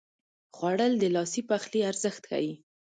خوړل د لاسي پخلي ارزښت ښيي